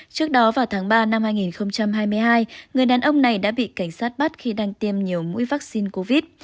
trước đó vào tháng ba năm hai nghìn hai mươi hai người đàn ông này đã bị cảnh sát bắt khi đang tiêm nhiều mũi vaccine covid